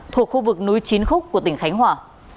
thuộc khu vực núi chín khúc của tỉnh khánh hòa